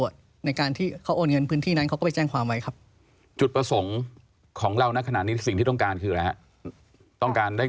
ได้เงินคืนหรือว่าต้องการ